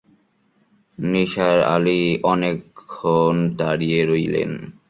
নিসার আলি অনেকক্ষণ দাঁড়িয়ে রইলেন।